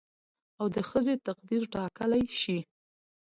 او د ښځې تقدير ټاکلى شي